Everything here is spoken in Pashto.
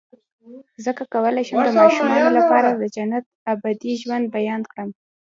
څنګه کولی شم د ماشومانو لپاره د جنت د ابدي ژوند بیان کړم